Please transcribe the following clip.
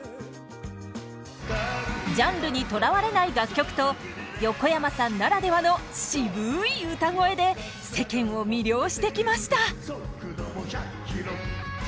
ジャンルにとらわれない楽曲と横山さんならではの渋い歌声で世間を魅了してきました。